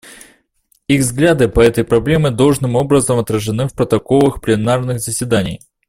Их взгляды по этой проблеме должным образом отражены в протоколах пленарных заседаний.